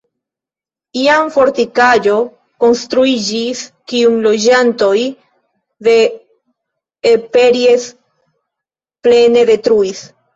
Iam fortikaĵo konstruiĝis, kiun loĝantoj de Eperjes plene detruis.